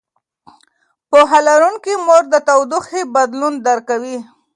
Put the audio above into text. پوهه لرونکې مور د تودوخې بدلون درک کوي.